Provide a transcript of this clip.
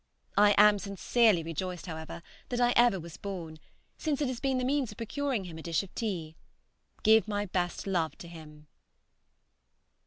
I am sincerely rejoiced, however, that I ever was born, since it has been the means of procuring him a dish of tea. Give my best love to him.